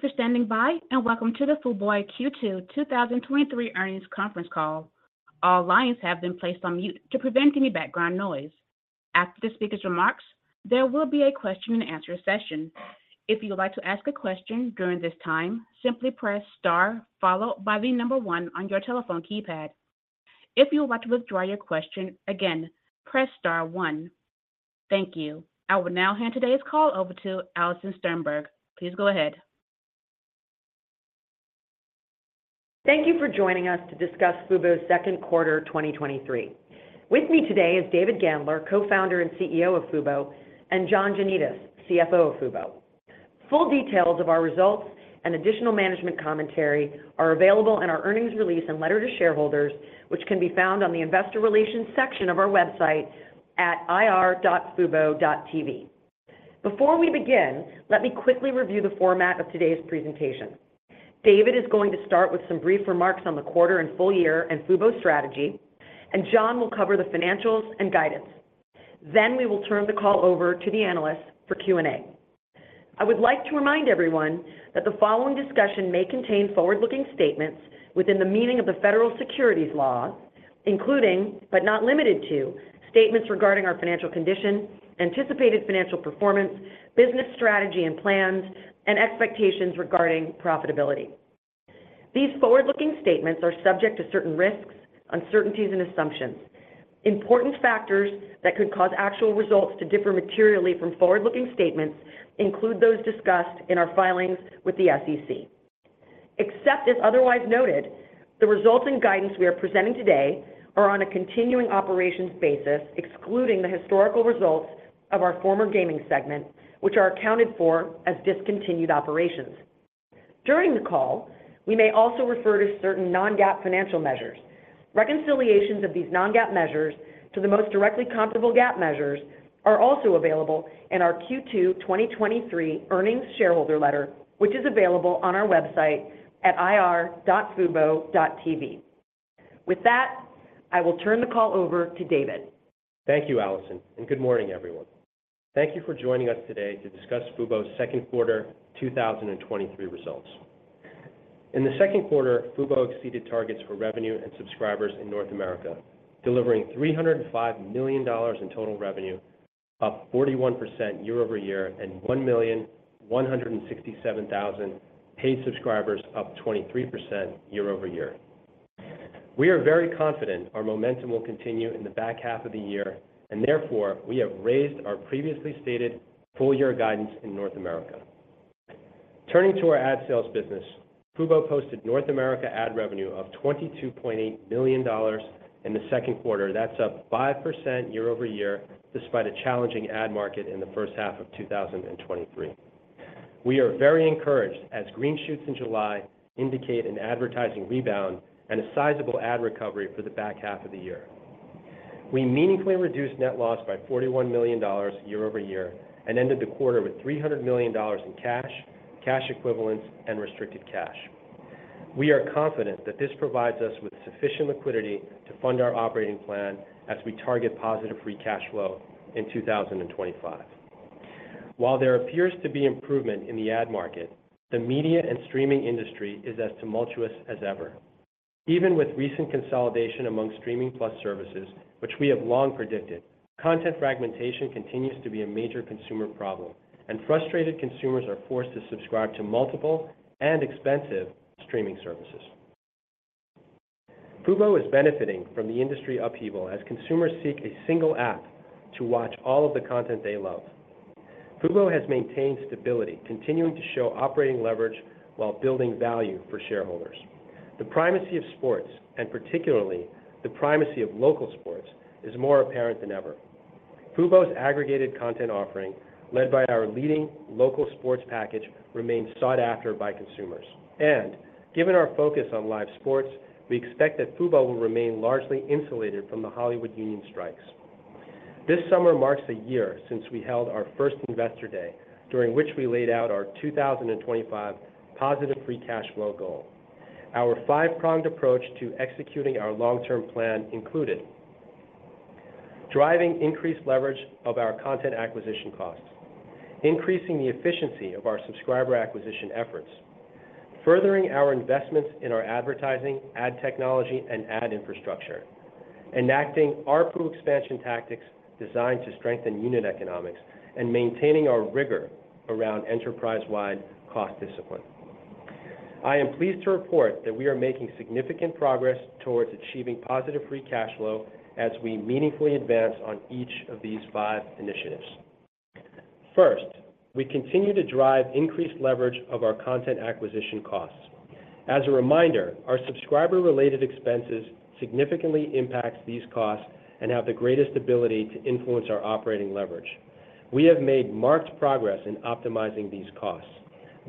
Thank you for standing by, and welcome to the Fubo Q2 2023 earnings conference call. All lines have been placed on mute to prevent any background noise. After the speaker's remarks, there will be a question-and-answer session. If you would like to ask a question during this time, simply press star, followed by the number one on your telephone keypad. If you would like to withdraw your question, again, press star one. Thank you. I will now hand today's call over to Alison Sternberg. Please go ahead. Thank you for joining us to discuss Fubo's second quarter 2023. With me today is David Gandler, Co-founder and CEO of Fubo, and John Janedis, CFO of Fubo. Full details of our results and additional management commentary are available in our earnings release and letter to shareholders, which can be found on the investor relations section of our website at ir.fubo.tv. Before we begin, let me quickly review the format of today's presentation. David is going to start with some brief remarks on the quarter and full year and Fubo's strategy, and John will cover the financials and guidance. We will turn the call over to the analysts for Q&A. I would like to remind everyone that the following discussion may contain forward-looking statements within the meaning of the federal securities law, including, but not limited to, statements regarding our financial condition, anticipated financial performance, business strategy and plans, and expectations regarding profitability. These forward-looking statements are subject to certain risks, uncertainties, and assumptions. Important factors that could cause actual results to differ materially from forward-looking statements include those discussed in our filings with the SEC. Except as otherwise noted, the results and guidance we are presenting today are on a continuing operations basis, excluding the historical results of our former gaming segment, which are accounted for as discontinued operations. During the call, we may also refer to certain non-GAAP financial measures. Reconciliations of these non-GAAP measures to the most directly comparable GAAP measures are also available in our Q2 2023 earnings shareholder letter, which is available on our website at ir.fubo.tv. With that, I will turn the call over to David. Thank you, Alison, good morning, everyone. Thank you for joining us today to discuss Fubo's second quarter 2023 results. In the second quarter, Fubo exceeded targets for revenue and subscribers in North America, delivering $305 million in total revenue, up 41% year-over-year, and 1,167,000 paid subscribers, up 23% year-over-year. We are very confident our momentum will continue in the back half of the year, therefore, we have raised our previously stated full year guidance in North America. Turning to our ad sales business, Fubo posted North America ad revenue of $22.8 million in the second quarter. That's up 5% year-over-year, despite a challenging ad market in the first half of 2023. We are very encouraged as green shoots in July indicate an advertising rebound and a sizable ad recovery for the back half of the year. We meaningfully reduced net loss by $41 million year-over-year and ended the quarter with $300 million in cash, cash equivalents, and restricted cash. We are confident that this provides us with sufficient liquidity to fund our operating plan as we target positive free cash flow in 2025. While there appears to be improvement in the ad market, the media and streaming industry is as tumultuous as ever. Even with recent consolidation among streaming plus services, which we have long predicted, content fragmentation continues to be a major consumer problem, and frustrated consumers are forced to subscribe to multiple and expensive streaming services. Fubo is benefiting from the industry upheaval as consumers seek a single app to watch all of the content they love. Fubo has maintained stability, continuing to show operating leverage while building value for shareholders. The primacy of sports, and particularly the primacy of local sports, is more apparent than ever. Fubo's aggregated content offering, led by our leading local sports package, remains sought after by consumers. Given our focus on live sports, we expect that Fubo will remain largely insulated from the Hollywood union strikes. This summer marks a year since we held our first Investor Day, during which we laid out our 2025 positive free cash flow goal. Our five-pronged approach to executing our long-term plan included: driving increased leverage of our content acquisition costs, increasing the efficiency of our subscriber acquisition efforts, furthering our investments in our advertising, ad technology, and ad infrastructure, enacting our ARPU expansion tactics designed to strengthen unit economics, and maintaining our rigor around enterprise-wide cost discipline. I am pleased to report that we are making significant progress towards achieving positive free cash flow as we meaningfully advance on each of these five initiatives. First, we continue to drive increased leverage of our content acquisition costs. As a reminder, our subscriber-related expenses significantly impact these costs and have the greatest ability to influence our operating leverage. We have made marked progress in optimizing these costs.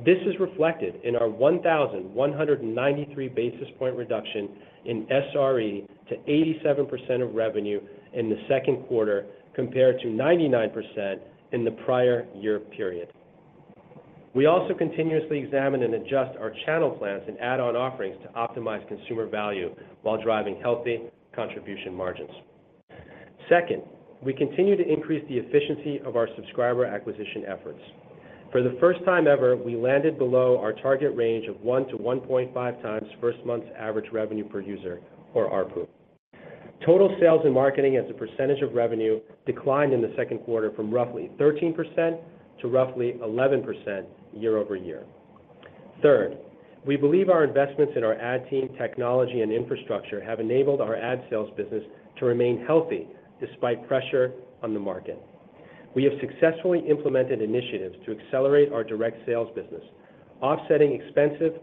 This is reflected in our 1,193 basis point reduction in SRE to 87% of revenue in the second quarter, compared to 99% in the prior year period. We also continuously examine and adjust our channel plans and add-on offerings to optimize consumer value while driving healthy contribution margins. Second, we continue to increase the efficiency of our subscriber acquisition efforts. For the first time ever, we landed below our target range of 1-1.5x first month's average revenue per user, or ARPU. Total sales and marketing as a percentage of revenue, declined in the second quarter from roughly 13% to roughly 11% year-over-year. Third, we believe our investments in our ad team, technology, and infrastructure have enabled our ad sales business to remain healthy despite pressure on the market. We have successfully implemented initiatives to accelerate our direct sales business, offsetting expensive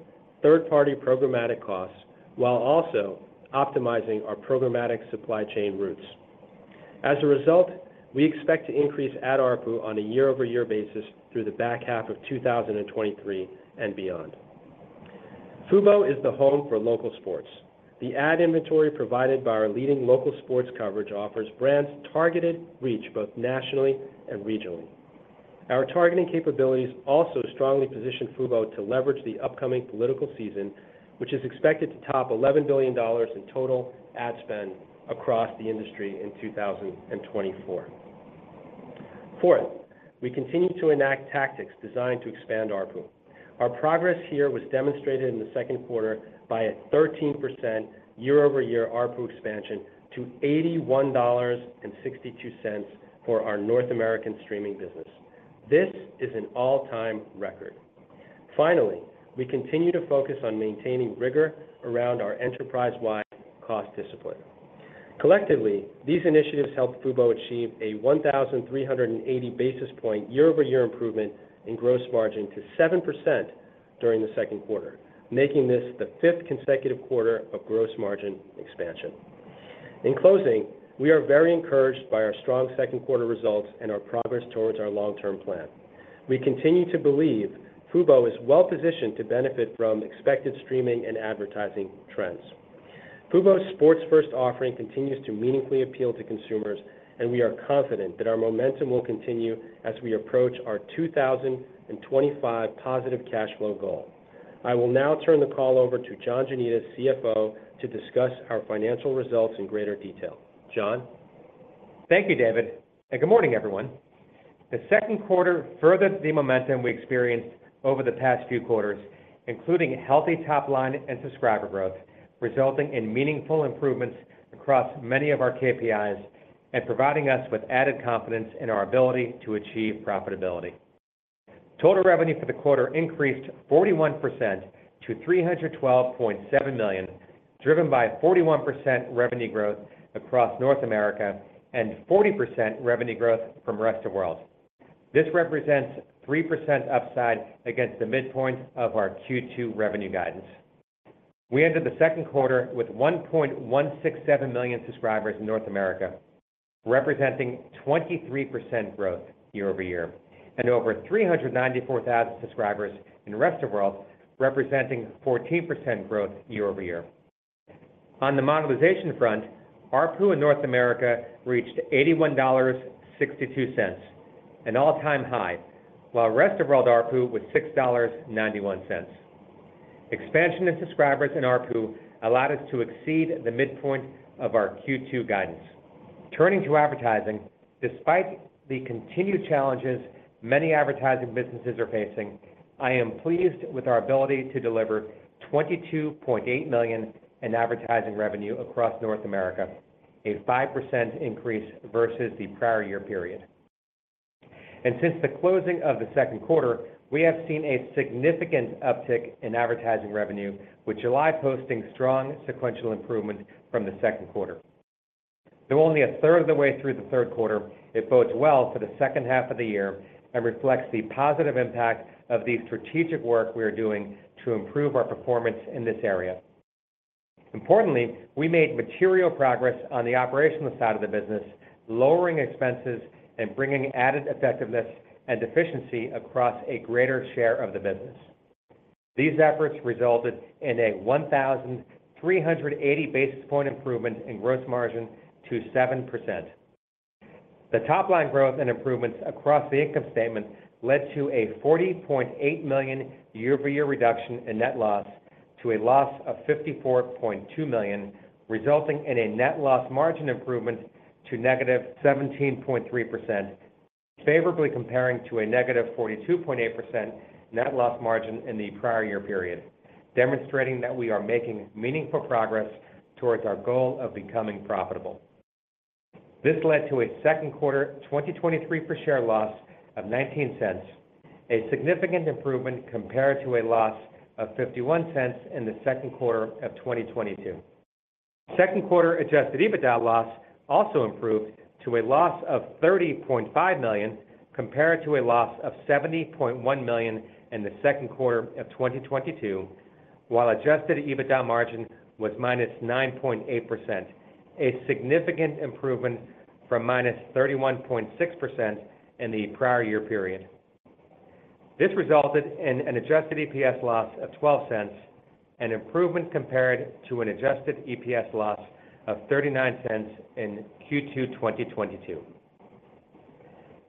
third-party programmatic costs, while also optimizing our programmatic supply chain routes. As a result, we expect to increase ad ARPU on a year-over-year basis through the back half of 2023 and beyond. Fubo is the home for local sports. The ad inventory provided by our leading local sports coverage offers brands targeted reach, both nationally and regionally. Our targeting capabilities also strongly position Fubo to leverage the upcoming political season, which is expected to top $11 billion in total ad spend across the industry in 2024. Fourth, we continue to enact tactics designed to expand ARPU. Our progress here was demonstrated in the second quarter by a 13% year-over-year ARPU expansion to $81.62 for our North American streaming business. This is an all-time record. Finally, we continue to focus on maintaining rigor around our enterprise-wide cost discipline. Collectively, these initiatives helped Fubo achieve a 1,380 basis point year-over-year improvement in gross margin to 7% during the second quarter, making this the fifth consecutive quarter of gross margin expansion. In closing, we are very encouraged by our strong second quarter results and our progress towards our long-term plan. We continue to believe Fubo is well-positioned to benefit from expected streaming and advertising trends. Fubo's sports-first offering continues to meaningfully appeal to consumers, and we are confident that our momentum will continue as we approach our 2025 positive cash flow goal. I will now turn the call over to John Janedis, CFO, to discuss our financial results in greater detail. John? Thank you, David. Good morning, everyone. The second quarter furthered the momentum we experienced over the past few quarters, including healthy top line and subscriber growth, resulting in meaningful improvements across many of our KPIs and providing us with added confidence in our ability to achieve profitability. Total revenue for the quarter increased 41% to $312.7 million, driven by 41% revenue growth across North America and 40% revenue growth from rest of world. This represents 3% upside against the midpoint of our Q2 revenue guidance. We ended the second quarter with 1.167 million subscribers in North America, representing 23% growth year-over-year, and over 394,000 subscribers in rest of world, representing 14% growth year-over-year. On the monetization front, ARPU in North America reached $81.62, an all-time high, while rest of world ARPU was $6.91. Expansion in subscribers and ARPU allowed us to exceed the midpoint of our Q2 guidance. Turning to advertising, despite the continued challenges many advertising businesses are facing, I am pleased with our ability to deliver $22.8 million in advertising revenue across North America, a 5% increase versus the prior year period. Since the closing of the second quarter, we have seen a significant uptick in advertising revenue, with July posting strong sequential improvement from the second quarter. Though only a third of the way through the third quarter, it bodes well for the second half of the year and reflects the positive impact of the strategic work we are doing to improve our performance in this area. Importantly, we made material progress on the operational side of the business, lowering expenses and bringing added effectiveness and efficiency across a greater share of the business. These efforts resulted in a 1,380 basis point improvement in gross margin to 7%. The top-line growth and improvements across the income statement led to a $40.8 million year-over-year reduction in net loss to a loss of $54.2 million, resulting in a net loss margin improvement to negative 17.3%, favorably comparing to a negative 42.8% net loss margin in the prior year period, demonstrating that we are making meaningful progress towards our goal of becoming profitable. This led to a second quarter 2023 per share loss of $0.19, a significant improvement compared to a loss of $0.51 in the second quarter of 2022. Second quarter Adjusted EBITDA loss also improved to a loss of $30.5 million, compared to a loss of $70.1 million in the second quarter of 2022, while Adjusted EBITDA margin was -9.8%, a significant improvement from -31.6% in the prior year period. This resulted in an Adjusted EPS loss of $0.12, an improvement compared to an Adjusted EPS loss of $0.39 in Q2 2022.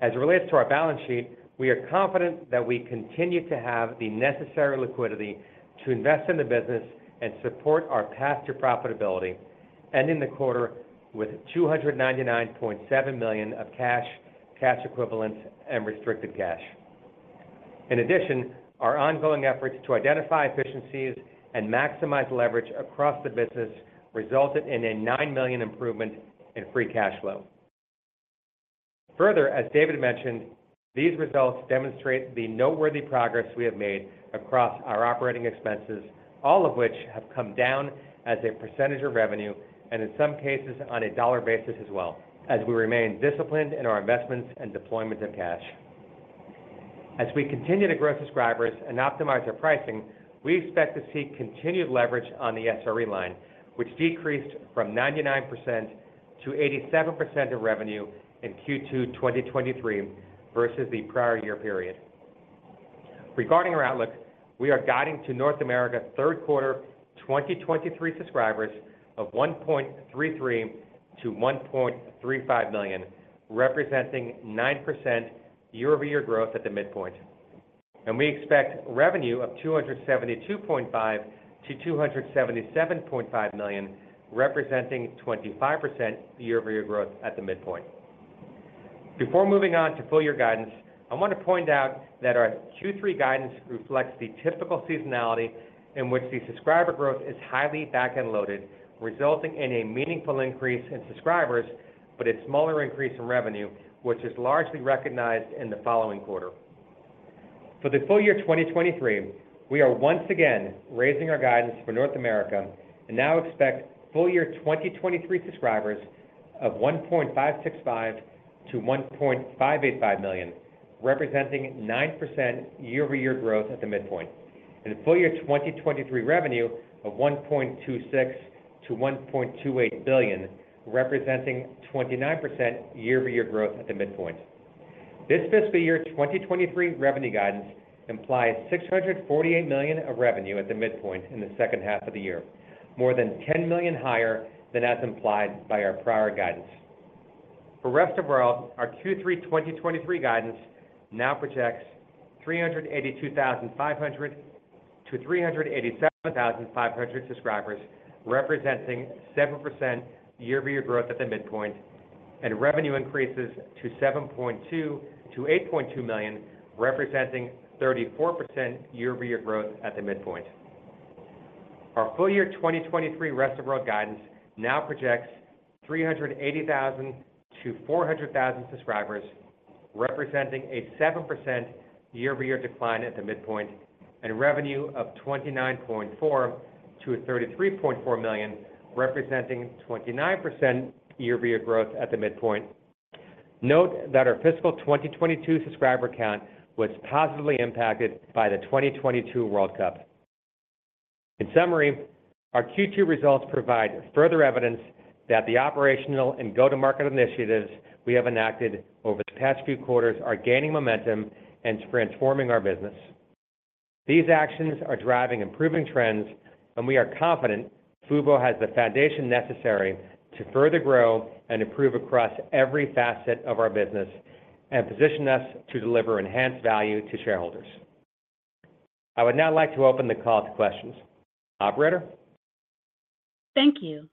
As it relates to our balance sheet, we are confident that we continue to have the necessary liquidity to invest in the business and support our path to profitability, ending the quarter with $299.7 million of cash, cash equivalents, and restricted cash. Our ongoing efforts to identify efficiencies and maximize leverage across the business resulted in a $9 million improvement in free cash flow. Further, as David mentioned, these results demonstrate the noteworthy progress we have made across our operating expenses, all of which have come down as a percentage of revenue, and in some cases, on a dollar basis as well, as we remain disciplined in our investments and deployment of cash. As we continue to grow subscribers and optimize our pricing, we expect to see continued leverage on the SRE line, which decreased from 99% to 87% of revenue in Q2 2023 versus the prior year period. Regarding our outlook, we are guiding to North America third quarter 2023 subscribers of 1.33 million-1.35 million, representing 9% year-over-year growth at the midpoint. We expect revenue of $272.5 million-$277.5 million, representing 25% year-over-year growth at the midpoint. Before moving on to full year guidance, I want to point out that our Q3 guidance reflects the typical seasonality in which the subscriber growth is highly back-end loaded, resulting in a meaningful increase in subscribers, but a smaller increase in revenue, which is largely recognized in the following quarter. For the full year 2023, we are once again raising our guidance for North America, now expect full year 2023 subscribers of 1.565 million-1.585 million, representing 9% year-over-year growth at the midpoint, and a full year 2023 revenue of $1.26 billion-$1.28 billion, representing 29% year-over-year growth at the midpoint. This fiscal year, 2023 revenue guidance implies $648 million of revenue at the midpoint in the second half of the year, more than $10 million higher than as implied by our prior guidance. For rest of world, our Q3 2023 guidance now projects 382,500-387,500 subscribers, representing 7% year-over-year growth at the midpoint, and revenue increases to $7.2 million-$8.2 million, representing 34% year-over-year growth at the midpoint. Our full year 2023 rest of world guidance now projects 380,000-400,000 subscribers, representing a 7% year-over-year decline at the midpoint, and revenue of $29.4 million-$33.4 million, representing 29% year-over-year growth at the midpoint. Note that our fiscal 2022 subscriber count was positively impacted by the 2022 World Cup. In summary, our Q2 results provide further evidence that the operational and go-to-market initiatives we have enacted over the past few quarters are gaining momentum and transforming our business. These actions are driving improving trends, and we are confident Fubo has the foundation necessary to further grow and improve across every facet of our business, and position us to deliver enhanced value to shareholders. I would now like to open the call to questions. Operator? Thank you.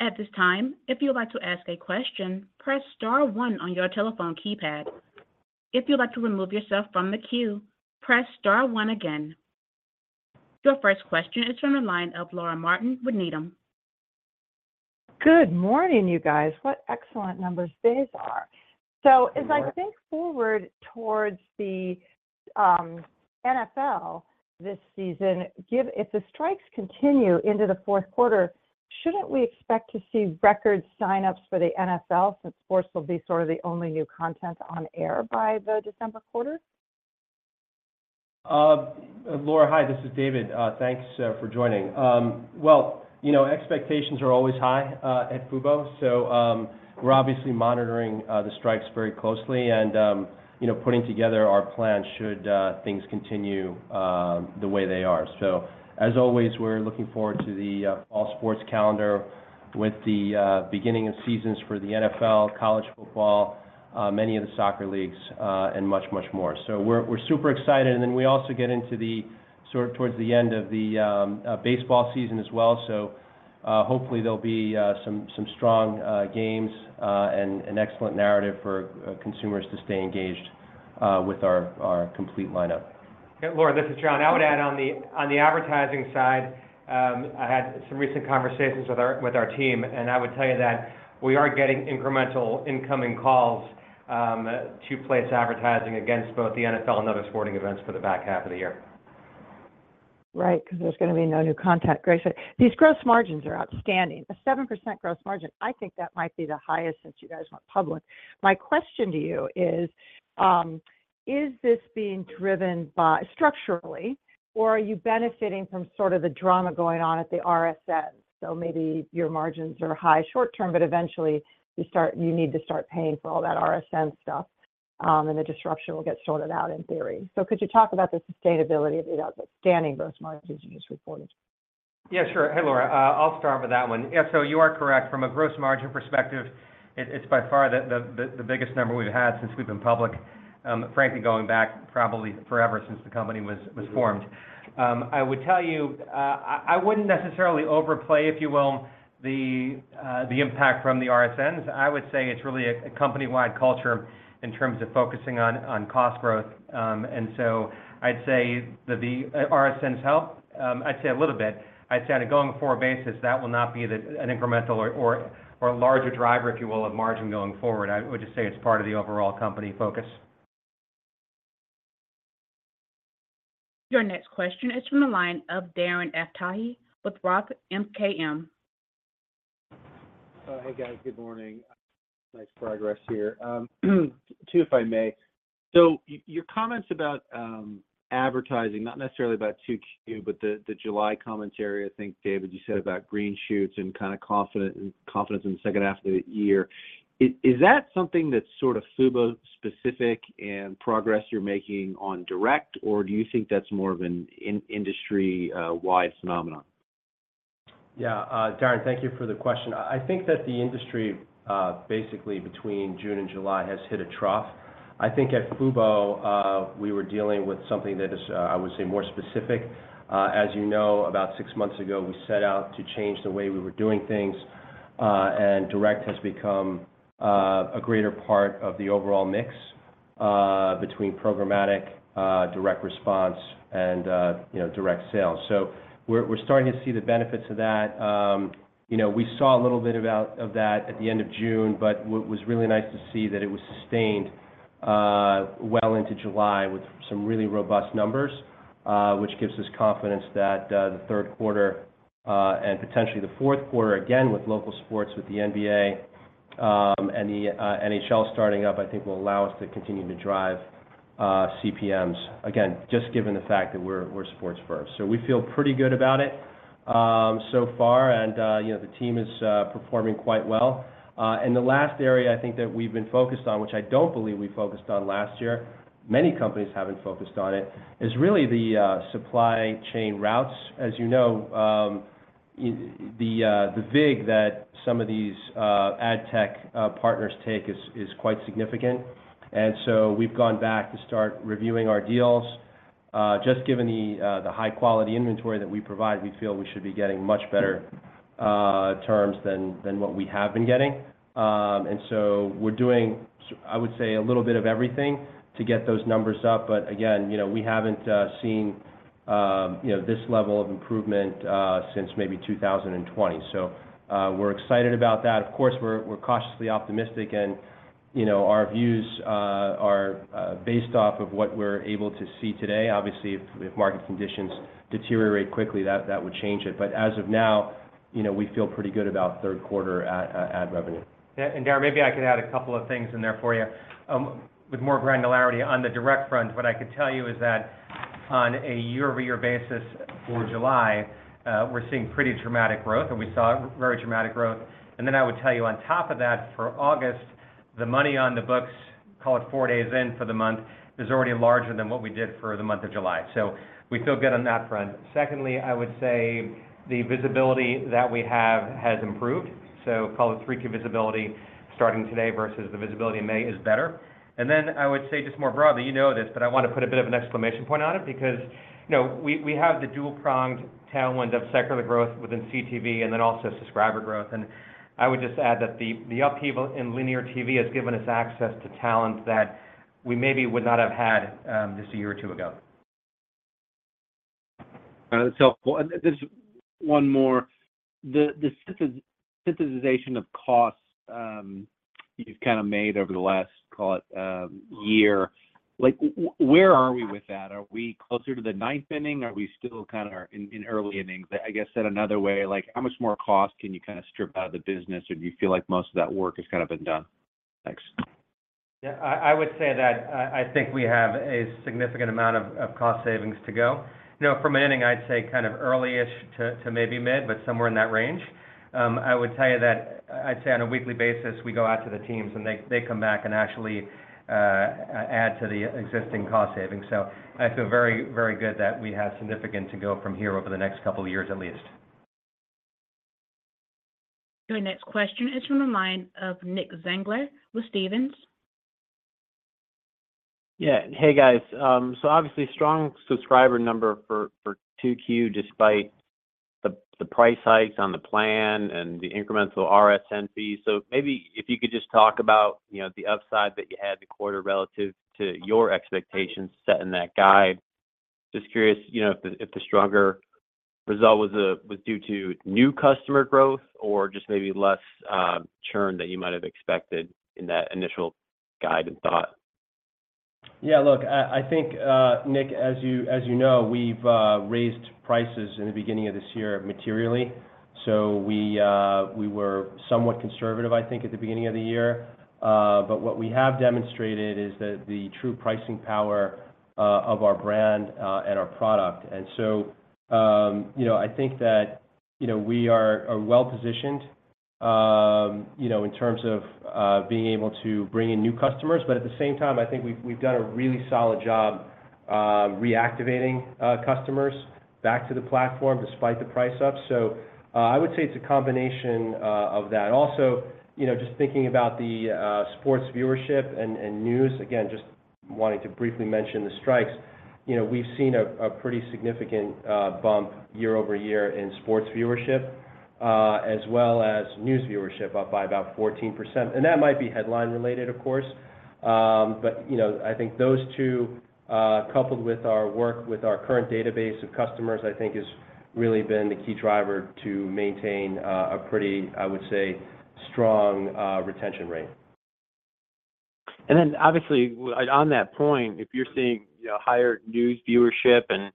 At this time, if you would like to ask a question, press star one on your telephone keypad. If you'd like to remove yourself from the queue, press star one again. Your first question is from the line of Laura Martin with Needham. Good morning, you guys. What excellent numbers these are. As I think forward towards the NFL this season, If the strikes continue into the fourth quarter, shouldn't we expect to see record signups for the NFL, since sports will be sort of the only new content on air by the December quarter? Laura, hi, this is David. Thanks for joining. Well, you know, expectations are always high at Fubo. We're obviously monitoring the strikes very closely and, you know, putting together our plan should things continue the way they are. As always, we're looking forward to the fall sports calendar with the beginning of seasons for the NFL, college football, many of the soccer leagues, and much, much more. We're, we're super excited. We also get into the sort of towards the end of the baseball season as well. Hopefully, there'll be some, some strong games and an excellent narrative for consumers to stay engaged with our, our complete lineup. Laura, this is John. I would add on the, on the advertising side, I had some recent conversations with our, with our team, and I would tell you that we are getting incremental incoming calls, to place advertising against both the NFL and other sporting events for the back half of the year. Right, because there's gonna be no new content. Great. These gross margins are outstanding. A 7% gross margin, I think that might be the highest since you guys went public. My question to you is, is this being driven by structurally, or are you benefiting from sort of the drama going on at the RSN? Maybe your margins are high short term, but eventually, you start-- you need to start paying for all that RSN stuff, and the disruption will get sorted out in theory. Could you talk about the sustainability of the outstanding gross margins you just reported? Yeah, sure. Hey, Laura, I'll start with that one. You are correct. From a gross margin perspective, it, it's by far the, the, the biggest number we've had since we've been public. Frankly, going back probably forever since the company was, was formed. I would tell you, I, I wouldn't necessarily overplay, if you will, the impact from the RSNs. I would say it's really a, a company-wide culture in terms of focusing on, on cost growth. I'd say that the RSNs help, I'd say a little bit. I'd say on a going-forward basis, that will not be the an incremental or, or, or a larger driver, if you will, of margin going forward. I would just say it's part of the overall company focus. Your next question is from the line of Darren Aftahi with ROTH MKM. Hey, guys. Good morning. Nice progress here. Two, if I may. Your comments about advertising, not necessarily about 2Q, but the, the July commentary. I think, David, you said about green shoots and kind of confident- and confidence in the second half of the year. Is that something that's sort of Fubo specific and progress you're making on direct? Or do you think that's more of an industry wide phenomenon? Yeah, Darren, thank you for the question. I think that the industry, basically between June and July, has hit a trough. I think at Fubo, we were dealing with something that is, I would say, more specific. As you know, about six months ago, we set out to change the way we were doing things, and direct has become a greater part of the overall mix, between programmatic, direct response and, you know, direct sales. We're, we're starting to see the benefits of that. You know, we saw a little bit of that at the end of June, what was really nice to see that it was sustained well into July with some really robust numbers, which gives us confidence that the third quarter and potentially the fourth quarter, again, with local sports, with the NBA and the NHL starting up, I think will allow us to continue to drive CPMs. Again, just given the fact that we're sports first. We feel pretty good about it so far. You know, the team is performing quite well. The last area I think that we've been focused on, which I don't believe we focused on last year, many companies haven't focused on it, is really the supply chain routes. As you know, the vig that some of these ad tech partners take is, is quite significant. So we've gone back to start reviewing our deals. Just given the high quality inventory that we provide, we feel we should be getting much better terms than, than what we have been getting. So we're doing I would say, a little bit of everything to get those numbers up. Again, you know, we haven't seen, you know, this level of improvement since maybe 2020. We're excited about that. Of course, we're, we're cautiously optimistic, and, you know, our views are based off of what we're able to see today. Obviously, if, if market conditions deteriorate quickly, that, that would change it. As of now, you know, we feel pretty good about third quarter ad revenue. Yeah, Darren, maybe I could add a couple of things in there for you, with more granularity. On the direct front, what I could tell you is that on a year-over-year basis for July, we're seeing pretty dramatic growth, and we saw very dramatic growth. I would tell you on top of that, for August, the money on the books, call it four days in for the month, is already larger than what we did for the month of July. We feel good on that front. Secondly, I would say the visibility that we have has improved. Call it 3Q visibility starting today versus the visibility in May is better. Then I would say, just more broadly, you know this, but I want to put a bit of an exclamation point on it because, you know, we, we have the dual-pronged tailwind of secular growth within CTV and then also subscriber growth. I would just add that the, the upheaval in linear TV has given us access to talent that we maybe would not have had, just a year or two ago. There's one more. The synthes- synthesization of costs you've kind of made over the last, call it, year. Like, where are we with that? Are we closer to the ninth inning? Are we still kind of in early innings? I guess, said another way, like, how much more cost can you kind of strip out of the business, or do you feel like most of that work has kind of been done? Thanks. Yeah, I, I would say that I, I think we have a significant amount of, of cost savings to go. You know, from an inning, I'd say kind of early-ish to, to maybe mid, but somewhere in that range. I would tell you that. I'd say on a weekly basis, we go out to the teams, and they, they come back and actually add to the existing cost savings. I feel very, very good that we have significant to go from here over the next couple of years, at least. Your next question is from the line of Nicholas Zangler with Stephens. Yeah. Hey, guys. Obviously strong subscriber number for, for 2Q, despite the, the price hikes on the plan and the incremental RSN fee. Maybe if you could just talk about, you know, the upside that you had the quarter relative to your expectations set in that guide. Just curious, you know, if the, if the stronger result was due to new customer growth or just maybe less churn that you might have expected in that initial guide and thought. Yeah, look, I, I think, Nick, as you, as you know, we've raised prices in the beginning of this year materially. We were somewhat conservative, I think, at the beginning of the year. What we have demonstrated is the true pricing power of our brand and our product. You know, I think that, you know, we are well positioned, you know, in terms of being able to bring in new customers. At the same time, I think we've done a really solid job reactivating customers back to the platform despite the price up. I would say it's a combination of that. Also, you know, just thinking about the sports viewership and news, again, just wanting to briefly mention the strikes. You know, we've seen a pretty significant bump year-over-year in sports viewership, as well as news viewership, up by about 14%. That might be headline related, of course. But, you know, I think those two, coupled with our work with our current database of customers, I think has really been the key driver to maintain a pretty, I would say, strong retention rate. Obviously, on that point, if you're seeing, you know, higher news viewership and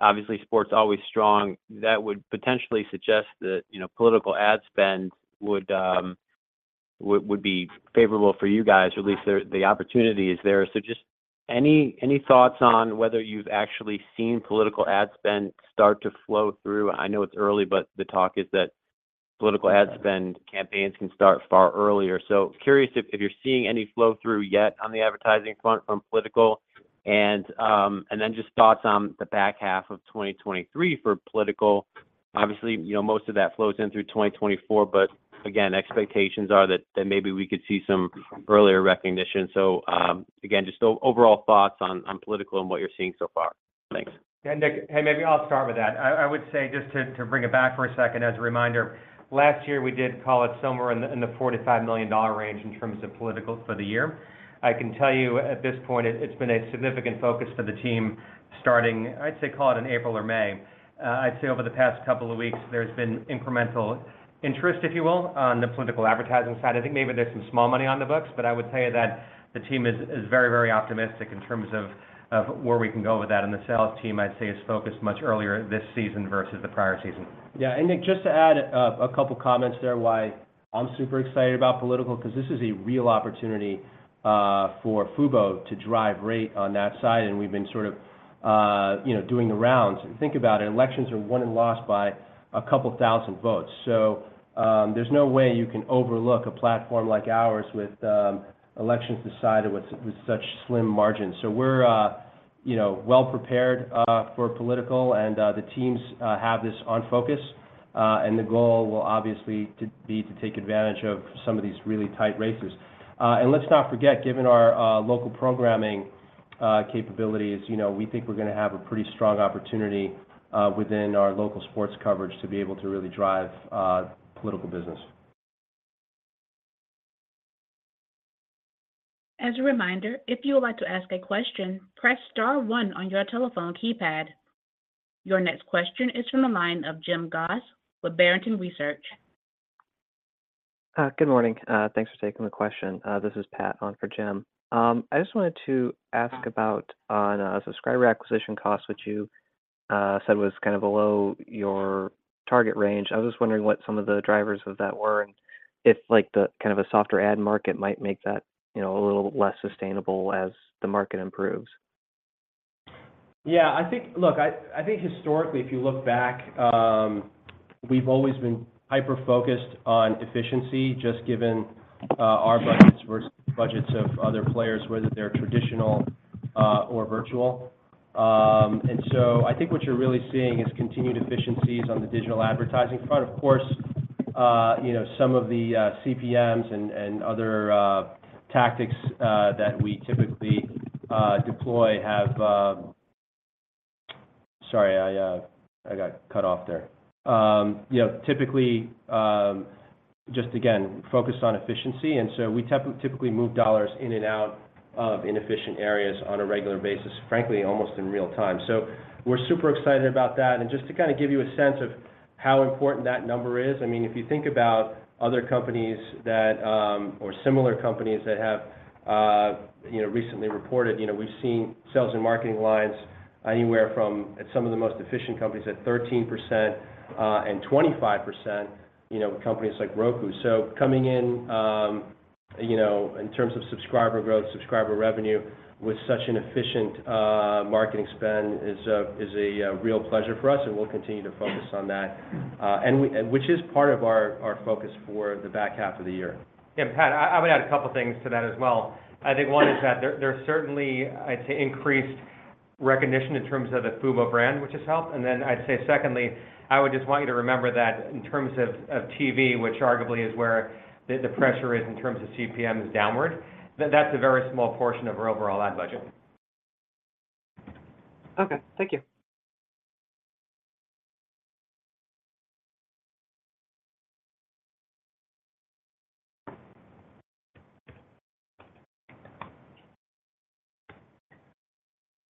obviously sport's always strong, that would potentially suggest that, you know, political ad spend would, would, would be favorable for you guys, or at least the opportunity is there. Just any, any thoughts on whether you've actually seen political ad spend start to flow through? I know it's early, but the talk is that political ad spend campaigns can start far earlier. Curious if, if you're seeing any flow-through yet on the advertising front from political and, and then just thoughts on the back half of 2023 for political. Obviously, you know, most of that flows in through 2024, but again, expectations are that, that maybe we could see some earlier recognition. Again, just overall thoughts on political and what you're seeing so far? Thanks. Yeah, Nick. Hey, maybe I'll start with that. I, I would say, just to, to bring it back for a second, as a reminder, last year we did call it somewhere in the, in the $4 million-$5 million range in terms of politicals for the year. I can tell you at this point, it, it's been a significant focus for the team starting, I'd say, call it in April or May. I'd say over the past couple of weeks, there's been incremental interest, if you will, on the political advertising side. I think maybe there's some small money on the books, but I would tell you that the team is, is very, very optimistic in terms of, of where we can go with that. The sales team, I'd say, is focused much earlier this season versus the prior season. Yeah. Nick, just to add a couple comments there why I'm super excited about political, because this is a real opportunity for Fubo to drive rate on that side, and we've been sort of, you know, doing the rounds. Think about it, elections are won and lost by a couple thousand votes. There's no way you can overlook a platform like ours with elections decided with such slim margins. We're, you know, well prepared for political and the teams have this on focus. The goal will obviously to be, to take advantage of some of these really tight races. Let's not forget, given our local programming capabilities, you know, we think we're gonna have a pretty strong opportunity within our local sports coverage to be able to really drive political business. As a reminder, if you would like to ask a question, press star one on your telephone keypad. Your next question is from the line of Jim Goss with Barrington Research. Good morning. Thanks for taking the question. This is Pat on for Jim. I just wanted to ask about on subscriber acquisition costs, which you said was kind of below your target range. I was just wondering what some of the drivers of that were, and if, like, the kind of a softer ad market might make that, you know, a little less sustainable as the market improves. Yeah, I think. Look, I, I think historically, if you look back, we've always been hyper-focused on efficiency, just given our budgets versus budgets of other players, whether they're traditional or virtual. I think what you're really seeing is continued efficiencies on the digital advertising front. Of course, you know, some of the CPMs and other tactics that we typically deploy have, sorry, I got cut off there. You know, typically, just again, focused on efficiency, and so we typically move dollars in and out of inefficient areas on a regular basis, frankly, almost in real time. We're super excited about that. Just to kinda give you a sense of how important that number is, I mean, if you think about other companies that, or similar companies that have, you know, recently reported, you know, we've seen sales and marketing lines anywhere from, at some of the most efficient companies, at 13%, and 25%, you know, with companies like Roku. Coming in, you know, in terms of subscriber growth, subscriber revenue with such an efficient marketing spend is a real pleasure for us, and we'll continue to focus on that. Which is part of our focus for the back half of the year. Yeah, Pat, I, I would add a couple things to that as well. I think one is that there, there's certainly, I'd say, increased recognition in terms of the Fubo brand, which has helped. Then I'd say secondly, I would just want you to remember that in terms of, of TV, which arguably is where the, the pressure is in terms of CPMs downward, that that's a very small portion of our overall ad budget. Okay. Thank you.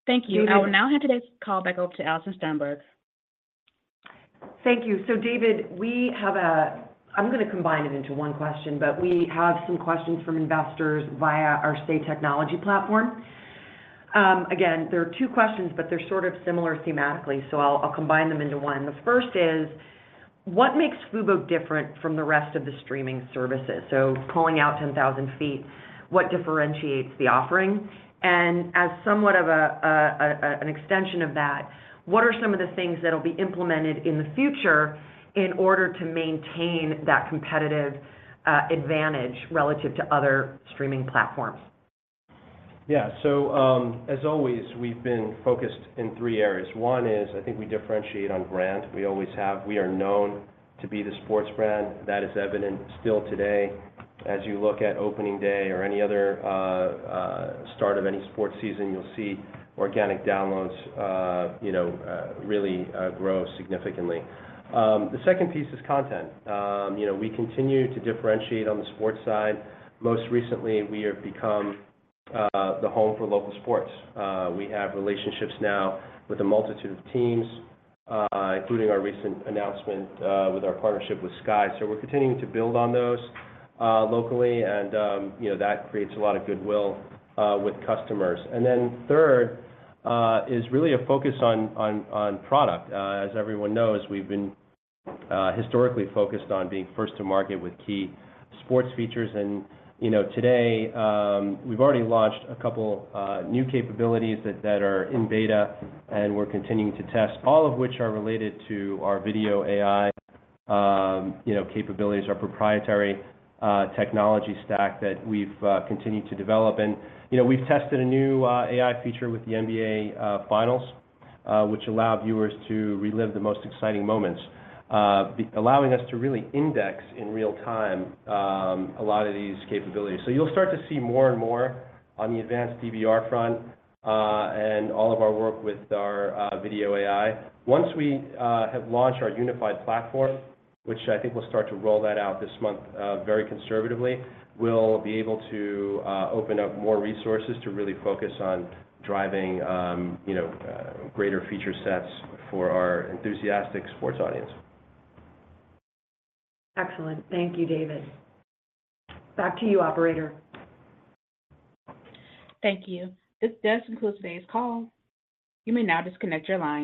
Thank you. I will now hand today's call back over to Alison Sternberg. Thank you. David, we have a, I'm gonna combine it into one question, but we have some questions from investors via our Say Technologies platform. Again, there are two questions, but they're sort of similar thematically, so I'll, I'll combine them into one. The first is: What makes Fubo different from the rest of the streaming services? Pulling out 10,000 feet, what differentiates the offering? As somewhat of an extension of that, what are some of the things that will be implemented in the future in order to maintain that competitive advantage relative to other streaming platforms? Yeah, as always, we've been focused in three areas. One is, I think we differentiate on brand. We always have. We are known to be the sports brand. That is evident still today. As you look at opening day or any other start of any sports season, you'll see organic downloads, you know, really grow significantly. The second piece is content. You know, we continue to differentiate on the sports side. Most recently, we have become the home for local sports. We have relationships now with a multitude of teams, including our recent announcement with our partnership with Sky. We're continuing to build on those locally, and, you know, that creates a lot of goodwill with customers. Then third is really a focus on, on, on product. As everyone knows, we've been historically focused on being first to market with key sports features. You know, today, we've already launched a couple new capabilities that, that are in beta, and we're continuing to test, all of which are related to our video AI, you know, capabilities, our proprietary technology stack that we've continued to develop. You know, we've tested a new AI feature with the NBA Finals, which allow viewers to relive the most exciting moments, allowing us to really index in real time, a lot of these capabilities. You'll start to see more and more on the advanced DVR front, and all of our work with our video AI. Once we have launched our unified platform, which I think we'll start to roll that out this month, very conservatively, we'll be able to open up more resources to really focus on driving, you know, greater feature sets for our enthusiastic sports audience. Excellent. Thank you, David. Back to you, operator. Thank you. This does conclude today's call. You may now disconnect your line.